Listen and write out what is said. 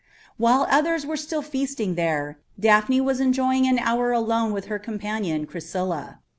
While the others were still feasting there, Daphne was enjoying an hour alone with her companion Chrysilla.